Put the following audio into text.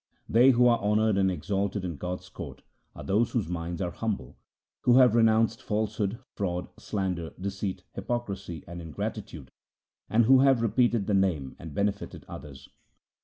They who are honoured and exalted in God's court are those whose minds are humble, who have renounced falsehood, fraud, slander, deceit, hypocrisy, and ingratitude, and who have repeated the Name and benefited others.